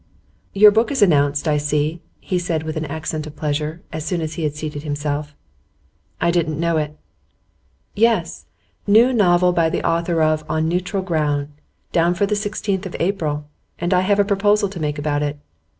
'Your book is announced, I see,' he said with an accent of pleasure, as soon as he had seated himself. 'I didn't know it.' 'Yes. "New novel by the author of 'On Neutral Ground.'" Down for the sixteenth of April. And I have a proposal to make about it.